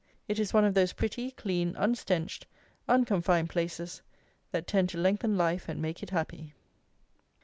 It is one of those pretty, clean, unstenched, unconfined places that tend to lengthen life and make it happy.